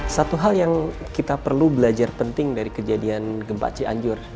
satu hal yang kita perlu belajar penting dari kejadian gempa cianjur